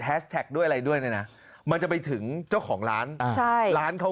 แฮสแท็กด้วยอะไรด้วยนะมันจะไปถึงเจ้าของร้านใช่ร้านเขา